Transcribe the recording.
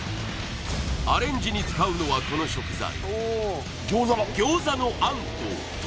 アレンジに使うのはこの食材